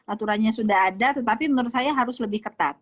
aturannya sudah ada tetapi menurut saya harus lebih ketat